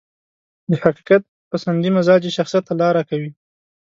د حقيقت پسندي مزاج يې شخصيت ته لاره کوي.